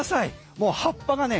もう葉っぱがね